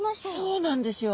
そうなんですよ。